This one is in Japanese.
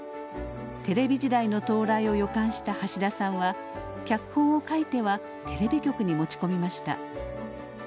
テレビ時代の到来を予感した橋田さんは脚本を書いてはテレビ局に持ち込みました。